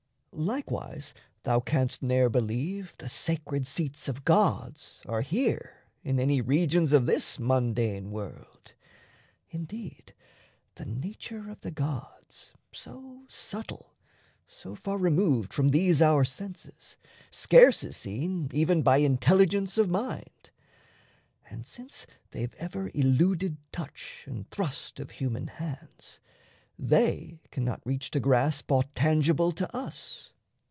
Likewise, thou canst ne'er Believe the sacred seats of gods are here In any regions of this mundane world; Indeed, the nature of the gods, so subtle, So far removed from these our senses, scarce Is seen even by intelligence of mind. And since they've ever eluded touch and thrust Of human hands, they cannot reach to grasp Aught tangible to us.